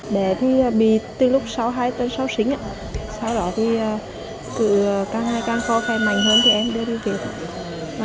để thì bị từ lúc sau hai tuần sau sính sau đó thì càng hai càng khó khai mảnh hơn thì em đưa đi việc